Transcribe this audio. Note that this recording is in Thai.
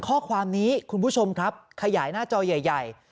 ข้อความนี้คุณผู้ชมครับขยายหน้าจอใหญ่